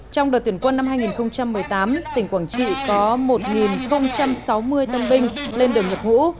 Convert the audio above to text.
trong đợt tuyển quân năm hai nghìn một mươi tám tỉnh quảng trị có một sáu mươi tân binh lên đường nhập ngũ